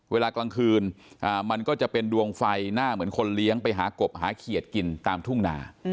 เวลากลางคืนมันก็จะเป็นดวงไฟหน้าเหมือนคนเลี้ยงไปหากบหาเขียดกินตามทุ่งนา